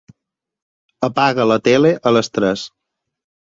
Apaga la tele a les tres.